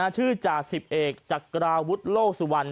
ชื่อจาศิปเอกษ์จักราวุฒิโลสุวัน